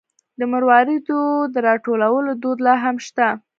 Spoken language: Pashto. د مروارید د راټولولو دود لا هم شته.